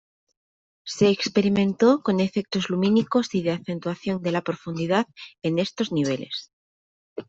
Se experimentó con efectos lumínicos y de acentuación de la profundidad en estos niveles.